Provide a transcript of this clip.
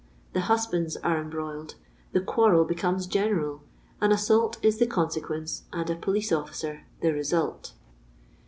The husbands are embroiled — the quarrel beoomef gentiai — an assault is the consequence, and a police officer the result."